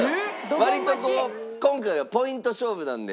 割とこう今回はポイント勝負なので。